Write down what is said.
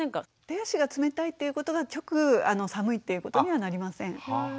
手足が冷たいっていうことが直寒いっていうことにはなりません。